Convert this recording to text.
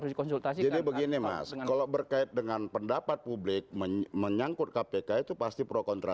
jadi begini mas kalau berkait dengan pendapat publik menyangkut kpk itu pasti pro kontra